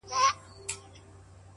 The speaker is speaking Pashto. له خدای وطن سره عجیبه مُحبت کوي ـ